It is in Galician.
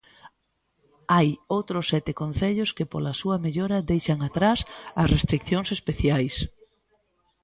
Hai outros sete concellos que pola súa mellora deixan atrás as restricións especiais.